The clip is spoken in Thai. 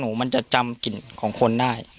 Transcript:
มันจะจำกลิ่นของคนได้